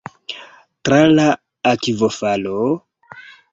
Tra la akvofalo?